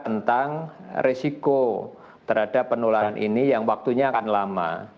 tentang risiko terhadap penularan ini yang waktunya akan lama